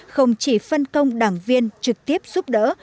không chỉ phân công đảng viên trực tiếp giúp đỡ